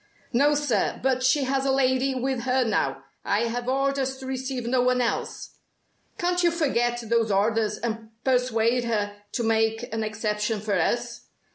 "No, sir, but she has a lady with her now. I have orders to receive no one else." "Can't you forget those orders, and persuade her to make an exception for us?"